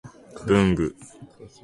文具